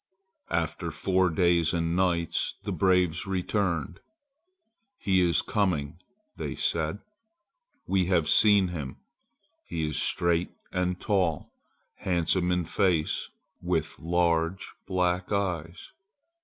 After four days and nights the braves returned. "He is coming," they said. "We have seen him. He is straight and tall; handsome in face, with large black eyes.